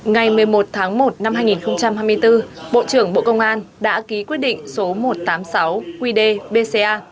ngày một mươi một tháng một năm hai nghìn hai mươi bốn bộ trưởng bộ công an đã ký quyết định số một trăm tám mươi sáu qd bca